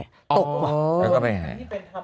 แล้วก็ไปไหน